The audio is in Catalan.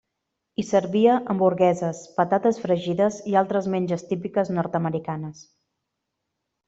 Hi servia hamburgueses, patates fregides i altres menges típiques nord-americanes.